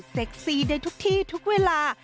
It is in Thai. ซี่ได้ทุกที่ทุกเวลา